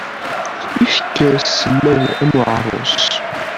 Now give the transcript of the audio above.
Ifker sellaw am uɛarus.